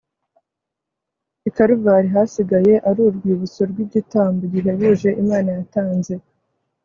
ikaruvari hasigaye ar'urwibutso rw'igitambo gihebuje imana yatanze